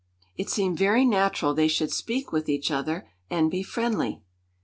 It seemed very natural they should speak with each other and be friendly.